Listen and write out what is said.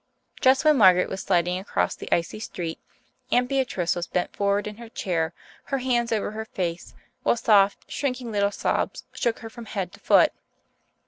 Just when Margaret was sliding across the icy street Aunt Beatrice was bent forward in her chair, her hands over her face, while soft, shrinking little sobs shook her from head to foot.